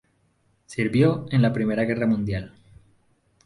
Sirvió en la Primera Guerra Mundial.